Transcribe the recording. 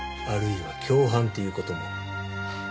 あるいは共犯っていう事も。